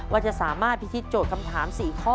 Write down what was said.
ว่าจะสามารถพิธีโจทย์คำถาม๔ข้อ